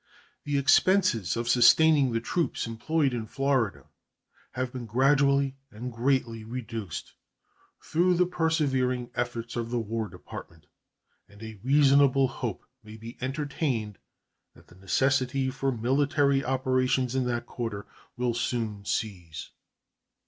The expenses of sustaining the troops employed in Florida have been gradually and greatly reduced through the persevering efforts of the War Department, and a reasonable hope may be entertained that the necessity for military operations in that quarter will soon cease.